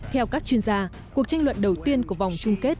theo các chuyên gia cuộc tranh luận đầu tiên của vòng chung kết